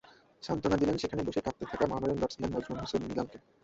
সান্ত্বনা দিলেন সেখানে বসে কাঁদতে থাকা মোহামেডান ব্যাটসম্যান নাজমুল হোসেন মিলনকে।